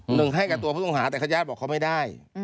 หนึ่งให้กับตัวพุทธงศาสตร์แต่ขณะญาติบอกเขาไม่ได้